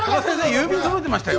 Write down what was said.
郵便届いてましたよ